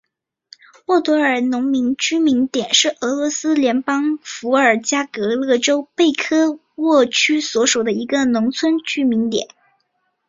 萨多沃耶农村居民点是俄罗斯联邦伏尔加格勒州贝科沃区所属的一个农村居民点。